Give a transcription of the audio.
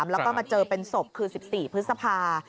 แล้วก็มาเจอเป็นศพคือ๑๔พฤษภา